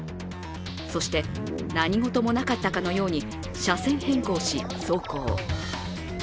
そして何事もなかったかのように車線変更し、走行。